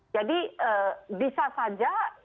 jadi bisa saja